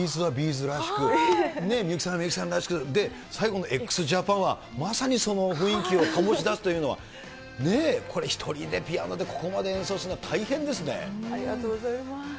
’ｚらしく、みゆきさんはみゆきさんらしく、最後のＸＪＡＰＡＮは、まさにその雰囲気を醸し出すというのは、ねぇ、これ１人でピアノでここまありがとうございます。